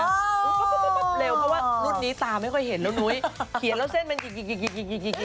อุ้ยเร็วเพราะว่ารุ่นนี้ตาไม่เคยเห็นแล้วนุ้ยเขียนเส้นมันหลีก